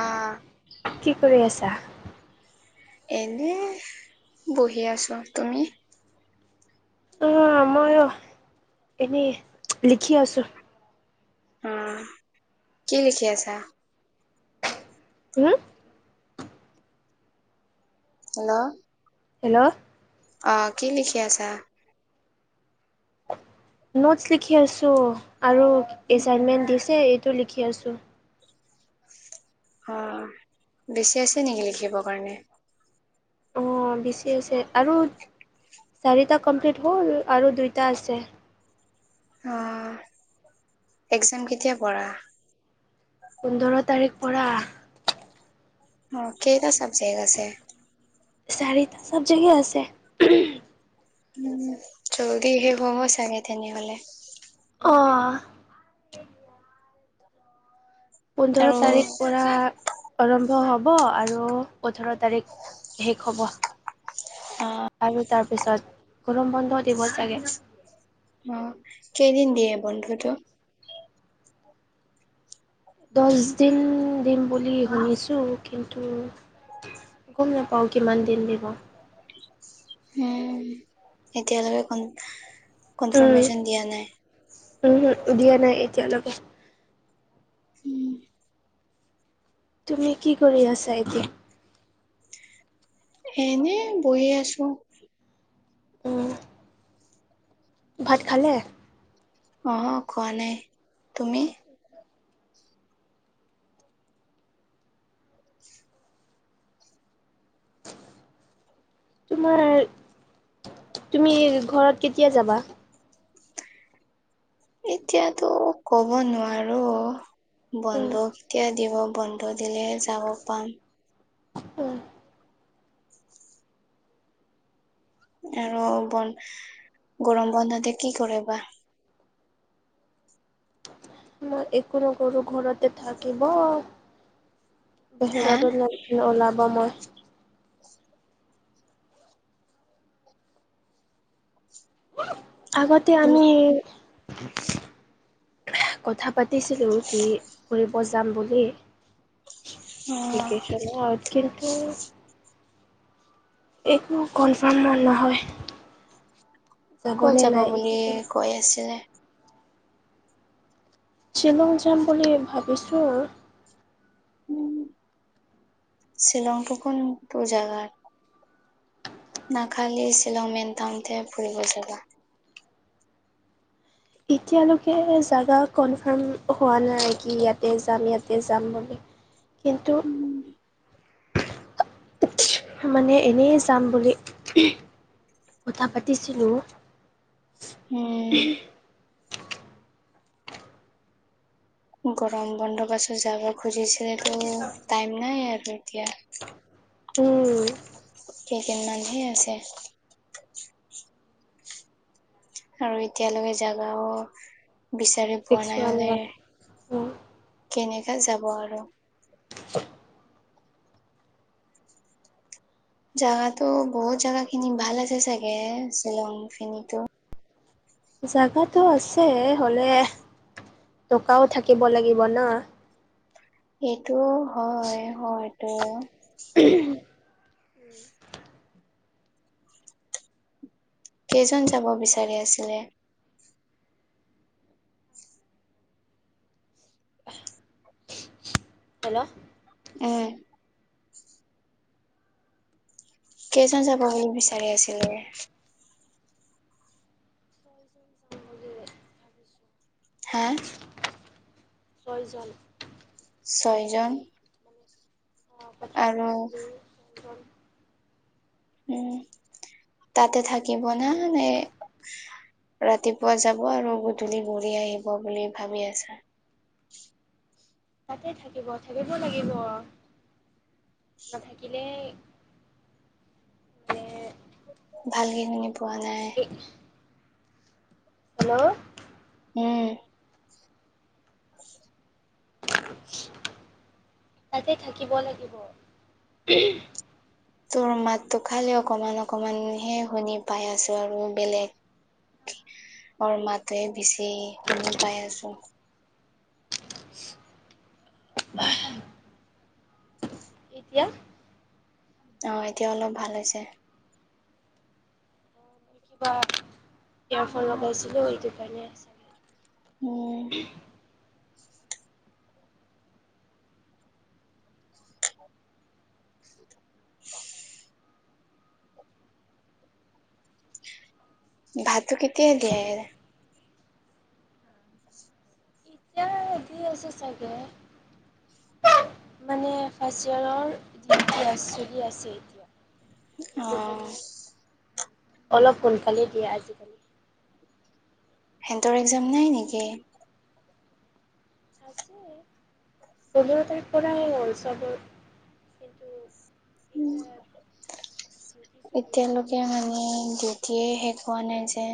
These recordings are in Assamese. আঁহ। কি কৰি আছা? এনেই বহি আছো। তুমি? উম মইও এনেই লিখি আছো। উম কি লিখি আছা? হোম? হেল্ল! হেল্ল'! অঁ কি লিখি আছা? নোটছ লিখি আছো। আৰু এছাইনমেণ্ট দিছে এইটো লিখি আছো। অ বেছি আছে নেকি লিখিব কাৰণে? অঁ বেছি আছে, আৰু চাৰিটা কমপ্লিট হ'ল আৰু দুইটা আছে। অঁ একজাম কেতিয়াৰ পৰা? পোন্ধৰ তাৰিখ পৰা। অ', কেইটা চাবজেক আছে? চাৰিটা চাবজেক্ট এ আছে। উম, জল্দি শেষ হ'ব চাগে তেনেহ'লে! অ'। পোন্ধৰো আৰু তাৰিখ পৰা আৰম্ভ হ'ব, আৰু ওঠৰ তাৰিখ শেষ হব। অ'। আৰু তাৰ পিছত গৰম বন্ধ দিৱ চাগে। অ', কেইদিন দিয়ে বন্ধটো? দচ দিন দিম বুলি শুনিছোঁ, কিন্তু গ'ম নেপাওঁ কিমান দিন দিব। উম, এতিয়ালৈকে কন-কনফাৰ্মেশচন দিয়া নাই। উম, হুম, দিয়া নাই এতিয়ালৈকে। উম। তুমি কি কৰি আছা এতিয়া? এনে বহি আছোঁ। উম ভাত খালে? অ', খোৱা নাই তুমি? তোমাৰ তুমি ঘৰত কেতিয়া যাবা? এতিয়াতো ক'ব নোৱাৰো। উম, বন্ধ কেতিয়া দিব বন্ধ দিলেহে যাব পাম। উম। আৰু বন্ গৰম বন্ধতে কি কৰি বা? মই একো নকৰো ঘৰতে থাকিব, হা বাহিৰত ওলাই ওলাব মই। আগতে আমি কথা পাতিছিলোঁ কি ফুৰিব যাম বুলি। অ ভেকেশনত কিন্তু একো কনফাৰ্ম মন নহয় যাবনে নাই একো কনফাৰম হৈ আছে। শ্বিলং যাম বুলি ভাবিছোঁ। উম, শ্বিলংটো কোনতো জাগাত? না খালি শ্বিলং মেইন টাউনতে ফুুৰিব যাবা? এতিয়ালৈকে জাগা কনফাৰ্ম হোৱা নাই, কি ইয়াতে যাম ইয়াতে যাম বুলি। কিন্তু উম। মানে এনেই যাম বুলি কথা পাতিছিলো। উম। গৰম বন্ধৰ পাছত যাব খুজিছিলেটো টাইম নাই আৰু এতিয়া। উম। কেইদিনমানহে আছে। আৰু এতিয়ালৈকে জাগাও বিচাৰি পোৱা ফিক্স নাই হোৱা মানে। উম, কেনেকা যাব আৰু। জাগাতো বহুত জাগা খিনি ভাল আছে চাগে শ্বিলং খিনিতো। জাগাটো আছে হ'লে টকাও থাকিব লাগিব ন। এইটো হয়, হয়টো। উম। কেইজন যাব বিচাৰি আছিলে। হেল্ল'। উমঁ। কেইজন যাব বুলি বিচাৰি আছিলে? হয়। [unintelligible] হাঁ? ছয়জন। ছয়জন। মানে অ' কথা আৰু- পাতিছিলোঁ ছয়জন। উমঁ, তা'তে থাকিব না, নে- ৰাতিপুৱা যাব আৰু গধূলি ঘূৰি আহিব বুলি ভাবি আছে। তা'তে থাকিব, থাকিব লাগিব। নাথাকিলে মানে ভালকে শুনি পোৱা নাই। এই হেল্ল'। উমঁ। হয়। উম। তা'তে থাকিব লাগিব, উম। তোৰ মাতটো খালি অকণমান-অকণমান হে শুনি পাই আছো আৰু বেলেগ- মোৰ মাতটোয়ে বেছি শুনি পাই আছো। উম। বাহ। এতিয়া? অঁ' এতিয়া অলপ ভাল হৈছে। এয়াৰফোন লগাইছিলো সেইটো কাৰণে আছে। উম। হয়। ভাবতো কেতিয়া দিয়ে? এতিয়া দি আছে চাগে। মানে ফাৰ্ষ্ট ইয়াৰৰ যি চলি আছে এতিয়া। অ সেইটো কাৰণে, অলপ সোনকালেই দিয়ে আজিকালি। সিহঁতৰ এক্সাম নাই নেকি? আছে। পোন্ধৰ তাৰিখ পৰা এই অঞ্চলবোৰ কিন্তু- উম, এতিয়া ডিউটি চলি আছে এতিয়ালৈকে মানে দি- য়ে শেষ হোৱা নাই যে।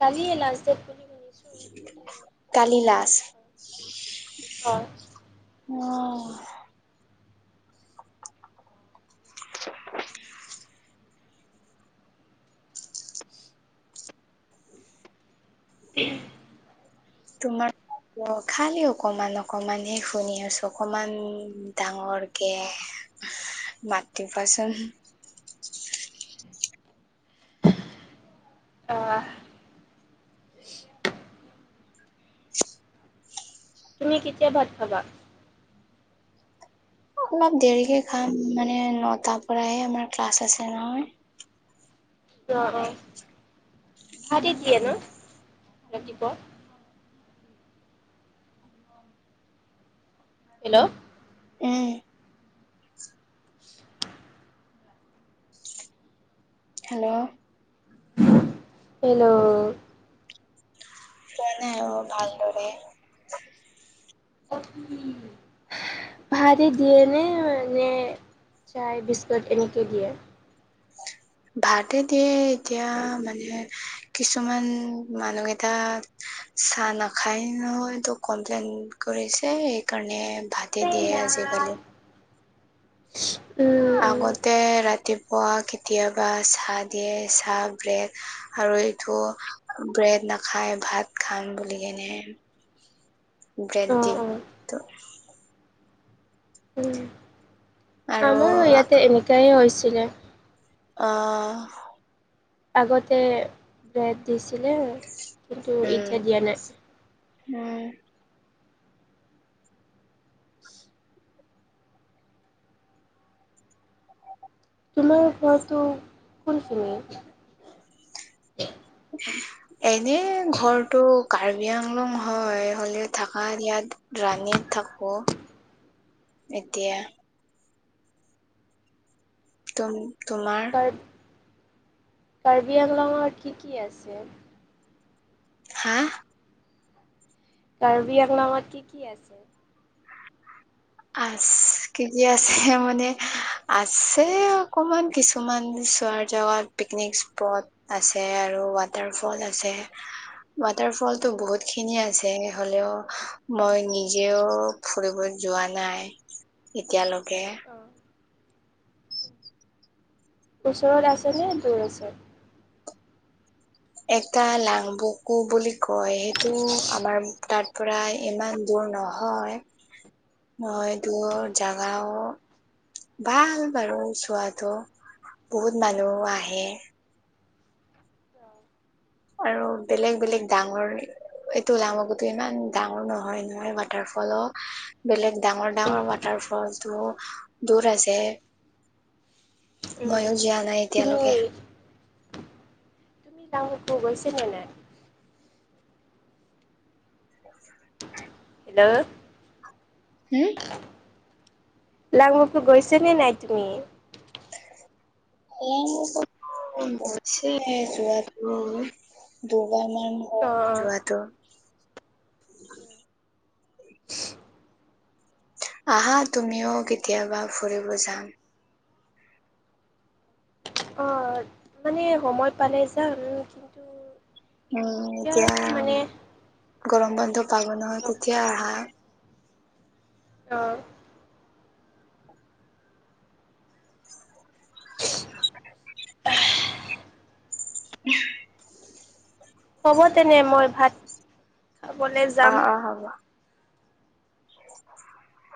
কালিয়ে লাষ্ট ডেট বুলু। কাল লাষ্ট। নাপাওঁ অঁহ। উম। তোমাৰ অহ', - খালি অকণমান-অকণমান হে শুনি আছো অকণমান ডাঙৰকে। মা [unintelligible] কচম অ তুমি কেতিয়া ভাত খাবা অলপ দেৰিকে খাম মানে নটাৰ পৰাহে আমাৰ ক্লাছ আছে নহয় অ অ ভাতে দিয়ে ন ৰাতি পুৱা হেল্ল' উম [inaudible] হেল্ল' হেল্ল' মানে অ ভালদৰে [unintelligible] ভাতে দিয়ে নে নে চাহ বিস্কুট এনেকে দিয়ে ভাতে দিয়ে এতিয়া মানে কিছুমান মানুহ কেইতা চাহ নাখায় নহয়তো কমপ্লেইন কৰিছে সেইকাৰণে ভাত উম উম, আগতে ৰাতিপুৱা কেতিয়াবা চাহ দিয়ে চাহ ব্ৰেড আৰু এইটো ব্ৰেড নাখাই ভাত খাম বুলি কেনেহে ব্ৰেড দি অ', অ', ত উম। আৰু আমাৰো ইয়াতে এনেকাই হৈছিলে অ আগতে ব্ৰেড দিছিলে কিন্তু উম এতিয়া দিয়া নাই উম উ তোমাৰ ঘৰটো কোনখিনি এনে ঘৰটোক কাৰ্বি আংলং হয় হ'লে থাকাত ইয়াত ৰাণিত থাকোঁ এতিয়া তম তোমাৰ কাৰ কাৰ্বি আংলংত কি কি আছে হা কাৰ্বি আংলঙতত কি কি আছে আচ কিকি আছে মানে আছে অকমান কিছুমান চোৱাৰ জেগাত পিকনিক স্পট আছে আৰু ৱাটাৰ ফল আছে ৱাটাৰ ফলতটো বহুত খিনি আছে হলেও মই নিজেও ফুৰিব যোৱা নাই নাই এতিয়ালৈকে অ', ওচৰত আছেনে দুৰ আছে এটা লাংবকু বুলি কয় সেইটো আমাৰ তাৰ পৰা ইমান দুৰ নহয় মই দুৰ জাগাও ভাল বাৰু চোৱাাতটো বহুত মানুহ আহে উম আৰু বেলেগ বেলেগ ডাঙৰ এইটো ওলামকুো ইমান ডাঙৰ নহয় নহয় ৱাটাৰ ফলো বেলেগ ডাঙৰ ডাঙৰ তাৰ ফল টো দূৰ আছে দুৰ আছে উম মইও উম যোৱা নাই তুমি এতিয়ালৈকে তুৰ গৈছে নে নাই হল হম লাকমখটো গৈছেনে নাই তুমি সছে যোৱা তমি ধব ম অ যোৱাটো আহা তুমিও কেতিয়াবা ফুৰিব যাম অ মানে সময় পালে যাম কিন্তু উম এতিয়া গৰম বন্ধ পালো নহয় তেতিয়া আহা অ [unintelligible] হ'ব তেনে মই ভাত খাবলৈ অ যাম অ হ'ব হয়